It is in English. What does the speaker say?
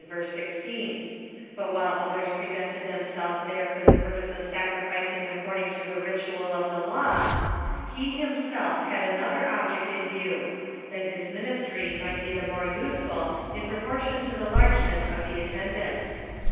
16 ;) but while others presented themselves there for the purpose of sacri ficing according to the ritual of the law, he himself had an other object in view — that his ministry might be the more useful in proportion to the largeness of the attendance.